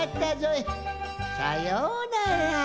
さようなら。